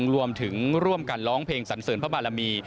รวมถึงร่วมกันร้องเพลงสันเสริญพระบารมี